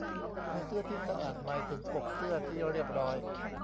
คอเสื้อที่สะอาดหมายถึงปกเสื้อที่เรียบร้อย